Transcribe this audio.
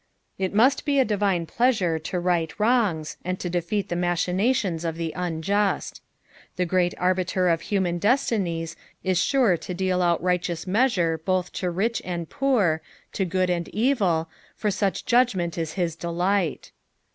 It must be a divine pleasure to light wrongs, and to defeat the machinationa of the unjust. The greut Arbiter of human destiniM is sure to deal out nghteous measure both to rich and poor, to good and enl, for such judgment is his delight.